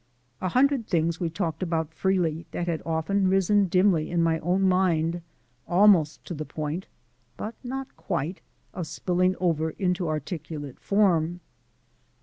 A hundred things we talked about freely that had often risen dimly in my own mind almost to the point but not quite of spilling over into articulate form.